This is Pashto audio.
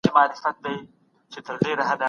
تاسي ولي د هیلې پر ځای شک ته پناه وړئ؟